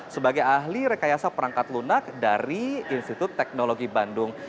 sebagai ahli rekayasa perangkat lunak dari institut teknologi bandung